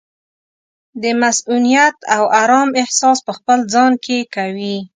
د مصؤنیت او ارام احساس پخپل ځان کې کوي.